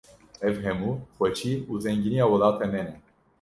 Ev hemû xweşî û zengîniya welatê me ne.